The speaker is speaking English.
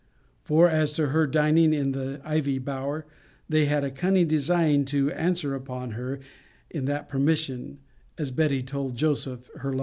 For, as to her dining in the ivy bower, they had a cunning design to answer upon her in that permission, as Betty told Joseph her lover.